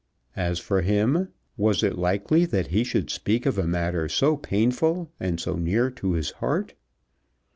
As for him, was it likely that he should speak of a matter so painful and so near to his heart!